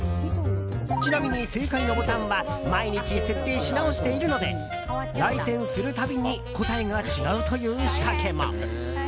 ちなみに正解のボタンは毎日設定し直しているので来店するたびに答えが違うという仕掛けも。